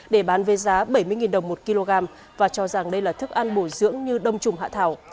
để bán về giá bảy mươi đồng một kg và cho rằng đây là thức ăn bổ dưỡng như đông trùng hạ thảo